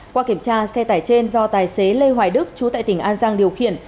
qua kiểm tra xe tải trên do tài xế lê hoài đức chú tại tỉnh an giang điều khiển